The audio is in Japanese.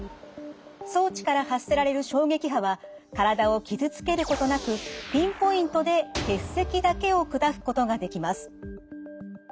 装置から発せられる衝撃波は体を傷つけることなくピンポイントで結石だけを砕くことができます。